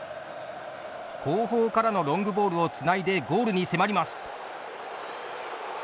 後方からのロングボールをつないで、ゴールに迫ります。